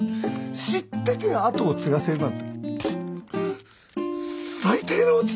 知ってて後を継がせるなんて最低の父親だ。